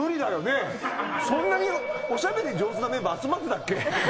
そんなにおしゃべり上手なメンバー集まってたっけ？